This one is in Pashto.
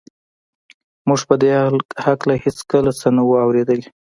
موږ په دې هکله هېڅکله څه نه وو اورېدلي